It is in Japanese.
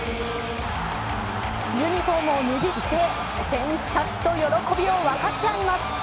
ユニホームを脱ぎ捨て選手たちと喜びを分かち合います。